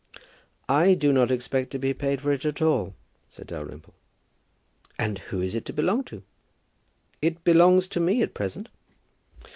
"I do not expect to be paid for it at all," said Dalrymple. "And who is it to belong to?" "It belongs to me at present."